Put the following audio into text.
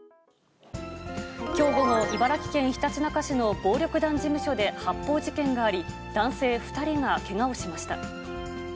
きょう午後、茨城県ひたちなか市の暴力団事務所で発砲事件があり、男性２人がけがをしました。